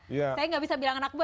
saya nggak bisa bilang anak buah